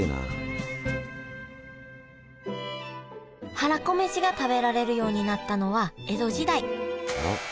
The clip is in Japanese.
はらこめしが食べられるようになったのは江戸時代。